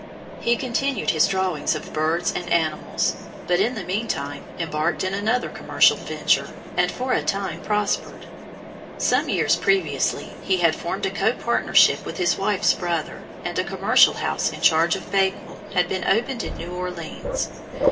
He continued his drawings of birds and animals, but, in the meantime, embarked in another commercial venture, and for a time prospered. Some years previously he had formed a co partnership with his wife's brother, and a commercial house in charge of Bakewell had been opened in New Orleans.